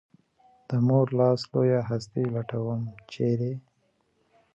د مور لاس لویه هستي لټوم ، چېرې؟